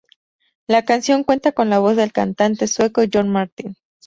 La canción cuenta con la voz del cantante sueco John Martin.